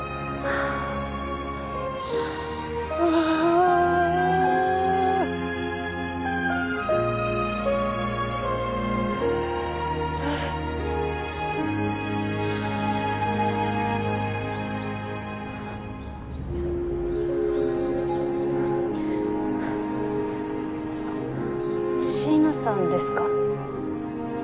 ああっ椎名さんですか？